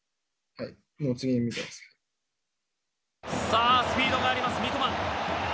さあスピードがあります三笘。